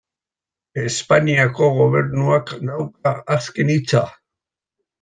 Espainiako Gobernuak dauka azken hitza.